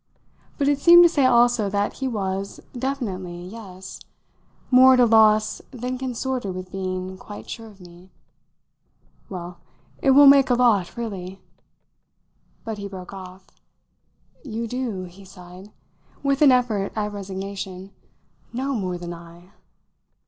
But it seemed to say also that he was definitely, yes more at a loss than consorted with being quite sure of me. "Well, it will make a lot, really !" But he broke off. "You do," he sighed with an effort at resignation, "know more than I!"